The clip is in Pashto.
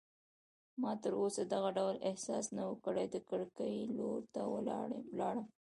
ما تراوسه دغه ډول احساس نه و کړی، د کړکۍ لور ته ولاړم.